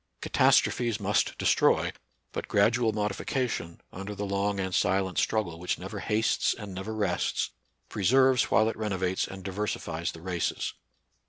Ca tastrophes must destroy ; but gradual modifica tion, under the long and silent struggle which never hastes and never rests, preserves while it renovates and diversifies the races.